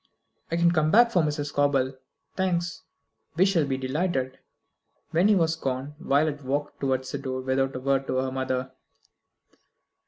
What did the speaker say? "I can come back for Mrs. Scobel. Thanks. We shall be delighted." When he was gone, Violet walked towards the door without a word to her mother.